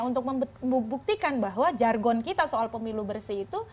untuk membuktikan bahwa jargon kita soal pemilu bersih itu